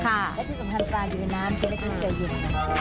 และที่สำคัญปลาเยือน้ำที่ไม่คิดจะหยิน